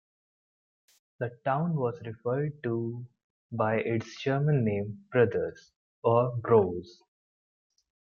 The town was referred to by its German name, "Brothers" or "Broos".